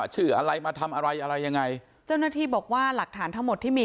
ชื่ออะไรมาทำอะไรอะไรยังไงเจ้าหน้าที่บอกว่าหลักฐานทั้งหมดที่มี